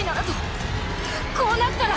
あっ！